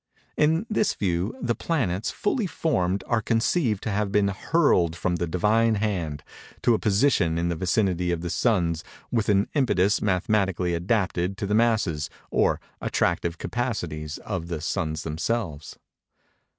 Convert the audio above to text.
In this view, the planets, fully formed, are conceived to have been hurled from the Divine hand, to a position in the vicinity of the suns, with an impetus mathematically adapted to the masses, or attractive capacities, of the suns themselves.